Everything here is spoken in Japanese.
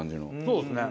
そうですね。